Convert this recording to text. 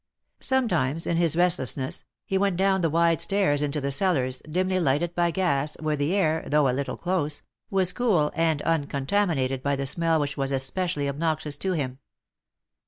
Sometimes, in his restlessness, he went down the wide I stairs into the cellars, dimly lighted by gas, where the i air, though a little close, was cool and uncontaminated by \ the smell which was especially obnoxious to him.